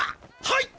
はい！